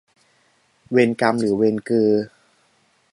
เวนกำหรือเวนเกอร์